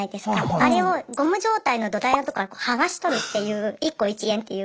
あれをゴム状態の土台のとこから剥がし取るっていう１個１円っていう。